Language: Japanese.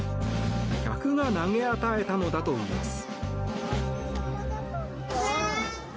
客が投げ与えたのだといいます。